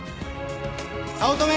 早乙女！